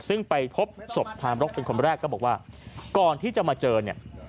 ซึ่งไปพบศพทามรกเป็นคนแรกก็บอกว่าก่อนที่จะมาเจอเนี่ย